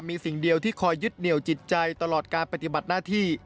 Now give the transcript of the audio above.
มีสิ่งเดียวที่คอยยึดเหนียวจิตใจตลอดการปฏิบัติหน้าที่